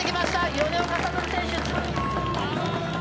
米岡聡選手」。